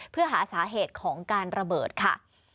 เพื่อหาสาเหตุของการระเบิดค่ะ